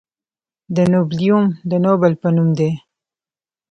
د نوبلیوم د نوبل په نوم دی.